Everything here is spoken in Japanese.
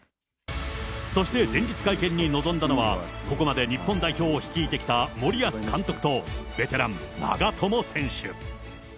そして前日会見に臨んだのは、ここまで日本代表を率いてきた森保監督と、ベテラン、長友選手。